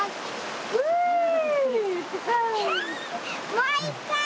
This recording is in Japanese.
もう一回！